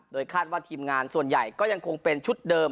คาดว่าทีมงานส่วนใหญ่ก็ยังคงเป็นชุดเดิม